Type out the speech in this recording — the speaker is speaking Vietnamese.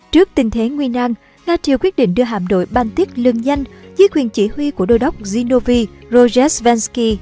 trước tình thế nguy năng nga triều quyết định đưa hạm đội ban tiết lương danh dưới quyền chỉ huy của đô đốc zinovi rozhetsvansky